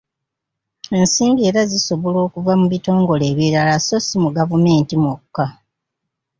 Ensimbi era zisobola okuva mu bitongole ebirala sso si mu gavumenti mwokka.